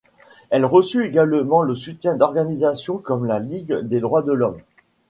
Elle reçut également le soutien d'organisations comme la Ligue des Droits de l'homme.